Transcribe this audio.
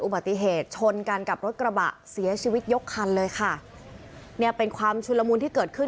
อุบัติเหตุชนกันกับรถกระบะเสียชีวิตยกคันเป็นความชุดรมูลที่เกิดขึ้น